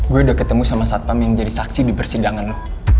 gue udah ketemu sama satpam yang jadi saksi di persidangan